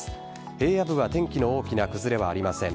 平野部は天気の大きな崩れはありません。